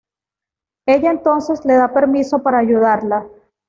Ella entonces le da permiso para ayudarla.